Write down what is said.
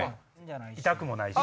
痛くもないし。